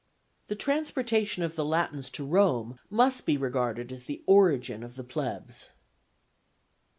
The transportation of the Latins to Rome must be regarded as the origin of the plebs.